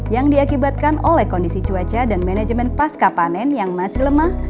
yang diakibatkan oleh kondisi cuaca dan manajemen pasca panen yang masih lemah